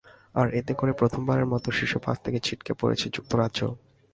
আর এতে করে প্রথমবারের মতো শীর্ষ পাঁচ থেকে ছিটকে পড়েছে যুক্তরাজ্য।